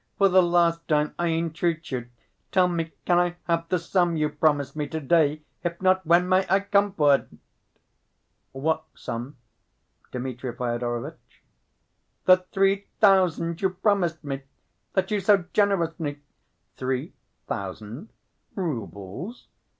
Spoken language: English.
"For the last time I entreat you, tell me, can I have the sum you promised me to‐day, if not, when may I come for it?" "What sum, Dmitri Fyodorovitch?" "The three thousand you promised me ... that you so generously—" "Three thousand? Roubles?